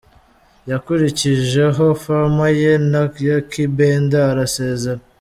Yakurikijeho ’Farmer’ ye na Ykee Benda, arasezera.